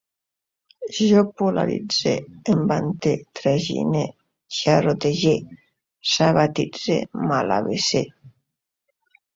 Jo polaritze, em vante, tragine, xarrotege, sabatitze, malavese